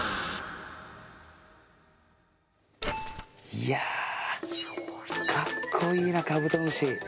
いやかっこいいなカブトムシ。